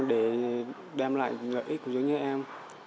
để đem lại lợi ích của chúng em